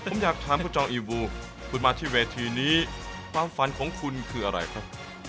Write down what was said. ผมอยากถามคุณจองอิลบูคุณมาที่เวทีนี้ความฝันของคุณคืออะไรครับ